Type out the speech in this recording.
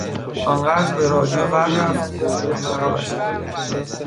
آنقدر به رادیو ور رفت که خرابش کرد.